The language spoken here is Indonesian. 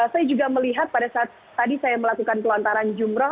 saya juga melihat pada saat saya melakukan pelontaran jumro